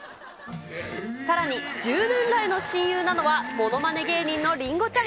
さらに１０年来の親友なのは、ものまね芸人のりんごちゃん。